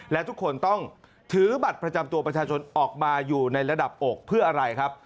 และทุกคนต้องถือบัตรประจำตัวประชาชนออกมาอยู่ในระดับอกเพื่ออะไรครับ